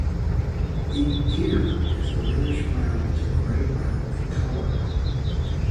The deer is a reddish-brown to grey-brown in color.